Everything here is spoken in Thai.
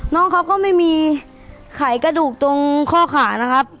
น้องเขาก็ไม่มีไขกระดูกตรงข้อขานะครับ